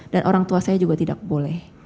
dan orang tua saya juga tidak boleh